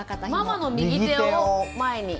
ママの右手を前に。